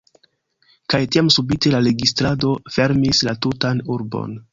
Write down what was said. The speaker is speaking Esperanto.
kaj tiam subite la registrado fermis la tutan urbon.